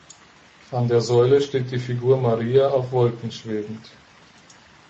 An der Säule steht die Figur Maria auf Wolken schwebend.